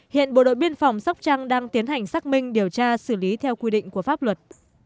hiện bộ đội biên phòng sóc trăng đang tiến hành xác minh điều tra xử lý theo quy định của pháp luật